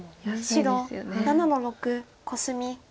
白７の六コスミ。